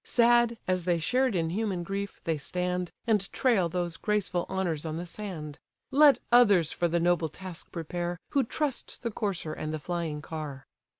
Sad, as they shared in human grief, they stand, And trail those graceful honours on the sand! Let others for the noble task prepare, Who trust the courser and the flying car."